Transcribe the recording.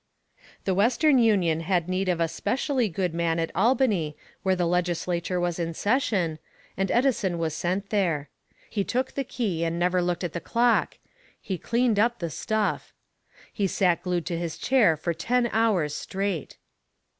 The Western Union had need of a specially good man at Albany while the Legislature was in session, and Edison was sent there. He took the key and never looked at the clock he cleaned up the stuff. He sat glued to his chair for ten hours, straight.